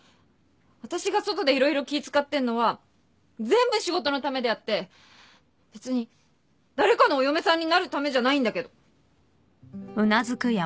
私が外で色々気使ってんのは全部仕事のためであって別に誰かのお嫁さんになるためじゃないんだけど。